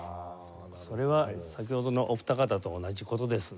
それは先ほどのお二方と同じ事ですね。